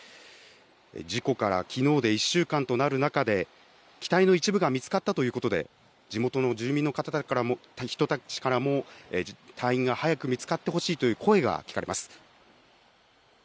事故からきのうで１週間となる中で、機体の一部が見つかったということで、地元の住民の人たちからも、隊員が早く見つかってほし